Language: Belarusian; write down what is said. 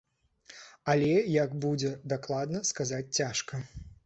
Але як будзе дакладна, сказаць цяжка.